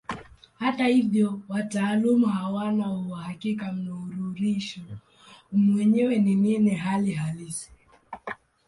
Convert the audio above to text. Hata hivyo wataalamu hawana uhakika mnururisho mwenyewe ni nini hali halisi.